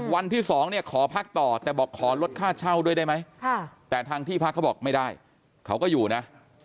วันที่๒เนี่ยขอพักต่อแต่บอกขอลดค่าเช่าด้วยได้ไหมแต่ทางที่พักเขาบอกไม่ได้เขาก็อยู่นะ